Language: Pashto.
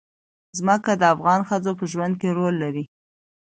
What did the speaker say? ځمکه د افغان ښځو په ژوند کې رول لري.